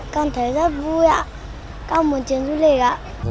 con thấy rất vui ạ con muốn chiến du lịch ạ